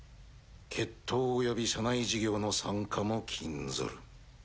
決闘および社内事業の参加も禁ずる。